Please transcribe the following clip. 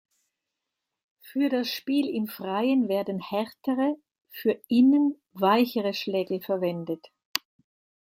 Für das Spiel im Freien werden härtere, für innen weichere Schlägel verwendet.